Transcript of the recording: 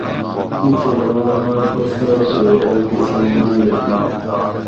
ایچھلہۤ آمہ ڛو سات دیر آۤک دی سہۤ ماۤلہۤ دِت